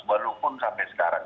walaupun sampai sekarang